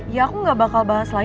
ya aku gak bakal bahas lagi